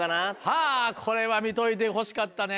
はぁこれは見といてほしかったね。